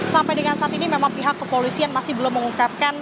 sampai dengan saat ini memang pihak kepolisian masih belum mengungkapkan